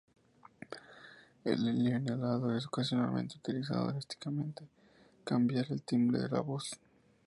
El helio inhalado es ocasionalmente utilizado a drásticamente cambiar el timbre de la voz.